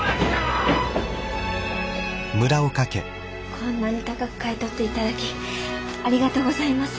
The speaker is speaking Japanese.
こんなに高く買い取って頂きありがとうございます。